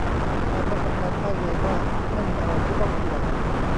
ฉันรับประกันได้เลยว่าไม่มีอะไรที่ต้องกลัว